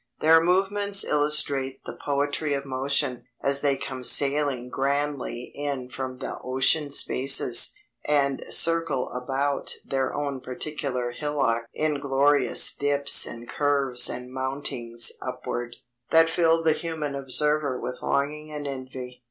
Their movements illustrate the poetry of motion, as they come sailing grandly in from the ocean spaces, and circle about their own particular hillock in glorious dips and curves and mountings upward, that fill the human observer with longing and envy.